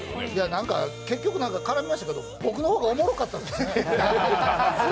なんか、結局絡みましたけど僕の方がおもろかったですね。